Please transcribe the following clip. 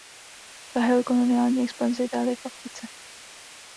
Zahájil koloniální expanzi Itálie v Africe.